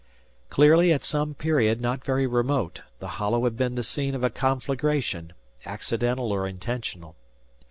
Clearly at some period not very remote the hollow had been the scene of a conflagration, accidental or intentional.